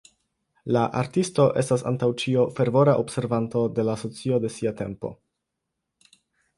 La artisto estas antaŭ ĉio fervora observanto de la socio de sia tempo.